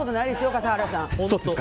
笠原さん。